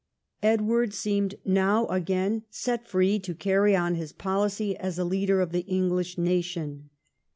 Edward seemed now again set free to carry on his policy as a leader of the English nation.